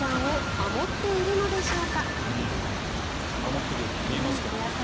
守っているように見えますけど。